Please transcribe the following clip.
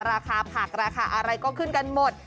ราคาผักราคาอะไรก็ขึ้นกันหมด